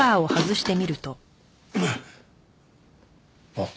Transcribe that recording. あっ。